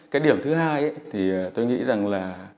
cái điểm thứ hai thì tôi nghĩ rằng là